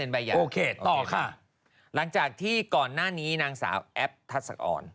พี่พี่หลังจากที่ก่อนหน้านี้นางสาวแอฟทัศกอร